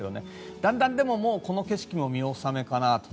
だんだんこの景色も見納めかなと。